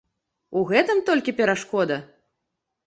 У гэтым толькі перашкода?